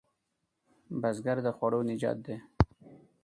بزګر د خوړو نجات دی